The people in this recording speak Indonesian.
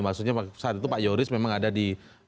maksudnya saat itu pak yoris memang ada di